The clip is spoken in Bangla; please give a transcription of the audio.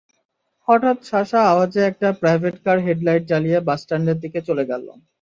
হঠাৎ শাঁ শাঁ আওয়াজে একটা প্রাইভেটকার হেডলাইট জ্বালিয়ে বাসস্ট্যান্ডের দিকে চলে গেল।